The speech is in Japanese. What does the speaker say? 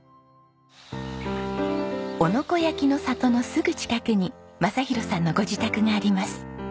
男ノ子焼の里のすぐ近くに雅啓さんのご自宅があります。